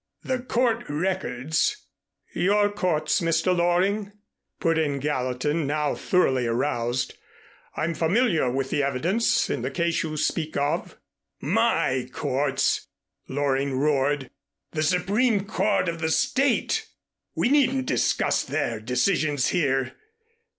The court records " "Your courts, Mr. Loring," put in Gallatin, now thoroughly aroused. "I'm familiar with the evidence in the case you speak of." "My courts!" Loring roared. "The Supreme Court of the State! We needn't discuss their decisions here."